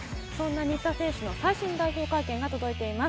新田選手の最新代表会見が届いています。